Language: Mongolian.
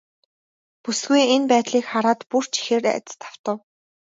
Бүсгүй энэ байдлыг хараад бүр ч ихээр айдаст автав.